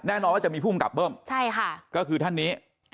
แน่นอนว่าจะมีภูมิกับเบิ้มใช่ค่ะก็คือท่านนี้